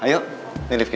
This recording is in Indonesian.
ya pokoknya sekali lagi